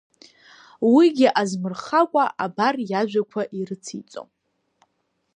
Уигьы азмырхакәа абар иажәақәа ирыциҵо…